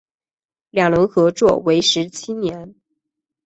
两人合作为时七年。